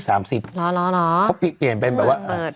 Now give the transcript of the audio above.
เขาเปลี่ยนเป็นแบบว่า